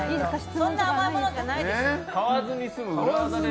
そんな甘いものじゃないですよ。